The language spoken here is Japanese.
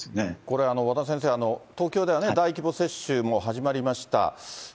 これ、和田先生、東京では大規模接種も始まりました。